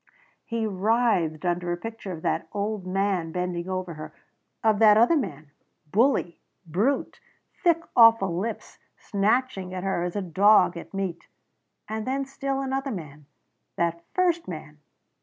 He writhed under a picture of that old man bending over her of that other man bully, brute thick awful lips snatching at her as a dog at meat. And then still another man. That first man.